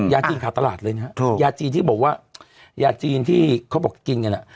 ยาจีนขาดตลาดเลยนะฮะยาจีนที่บอกว่ายาจีนที่เขาบอกกินกันอ่ะ